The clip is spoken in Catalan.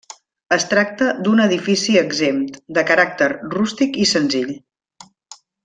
Es tracta d'un edifici exempt, de caràcter rústic i senzill.